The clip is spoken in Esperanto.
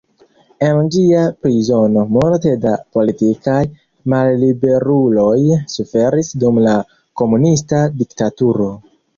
En ĝia prizono multe da politikaj malliberuloj suferis dum la komunista diktaturo.